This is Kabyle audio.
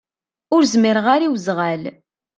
Ur zmireɣ ara i uzɣal.